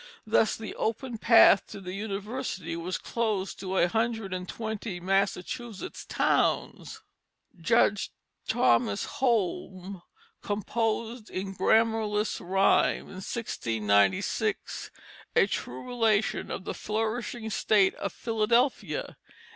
Thus the open path to the university was closed in a hundred and twenty Massachusetts towns. Judge Thomas Holme composed in grammarless rhyme, in 1696, a True Relation of the Flourishing State of Philadelphia.